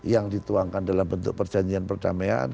yang dituangkan dalam bentuk perjanjian perdamaian